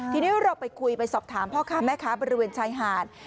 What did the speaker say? ทีนี้เราไปคุยไปสอบถามพ่อค้าแม่ค้าบริเวณชายหาด